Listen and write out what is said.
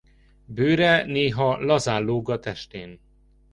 Bőre néha lazán lóg a testén.